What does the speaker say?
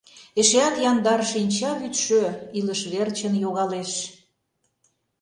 Эшеат яндар шинчавӱдшӧ Илыш верчын йогалеш.